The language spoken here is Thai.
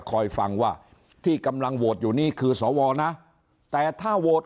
คอยฟังว่าที่กำลังโหวตอยู่นี้คือสวนะแต่ถ้าโหวต